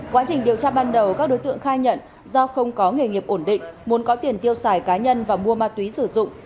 quá trình điều tra ban đầu các đối tượng khai nhận do không có nghề nghiệp ổn định muốn có tiền tiêu xài cá nhân và mua ma túy sử dụng